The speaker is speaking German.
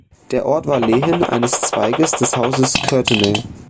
Der Ort war Lehen eines Zweiges des Hauses Courtenay.